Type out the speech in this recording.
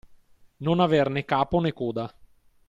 Non aver né capo né coda.